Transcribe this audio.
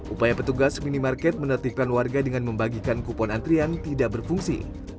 upaya petugas minimarket menertibkan warga dengan membagikan kupon antrian tidak berfungsi